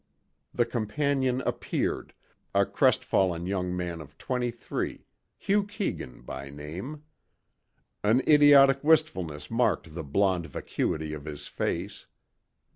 The companion appeared, a crestfallen young man of twenty three, Hugh Keegan by name. An idiotic wistfulness marked the blond vacuity of his face.